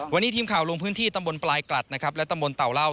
วันนี้ทีมข่าวลงพื้นที่ตำบลปลายกลัดนะครับและตำบลเต่าเหล้า